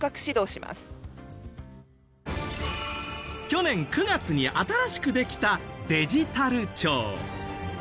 去年９月に新しくできたデジタル庁。